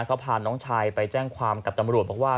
เขาพาน้องชายไปแจ้งความกับตำรวจบอกว่า